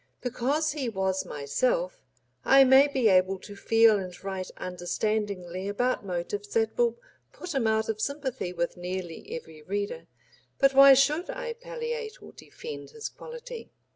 Because he was myself I may be able to feel and write understandingly about motives that will put him out of sympathy with nearly every reader, but why should I palliate or defend his quality?